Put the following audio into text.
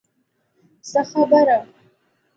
څه خبره.